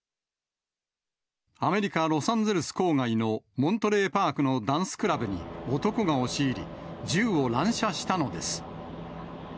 アメリカ・ロサンゼルス郊外のモントレーパークのダンスクラブに男が押し入り、銃を乱射したのです。